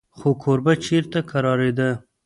خو کوربه چېرته کرارېده.